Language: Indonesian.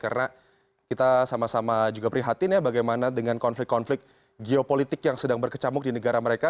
karena kita sama sama juga prihatin ya bagaimana dengan konflik konflik geopolitik yang sedang berkecamuk di negara mereka